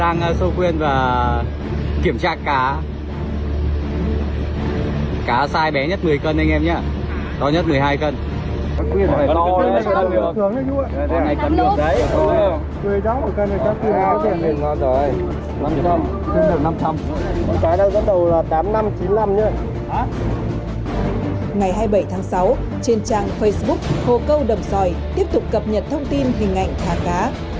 ngày hai mươi bảy tháng sáu trên trang facebook hồ câu đầm xoài tiếp tục cập nhật thông tin hình ảnh thả cá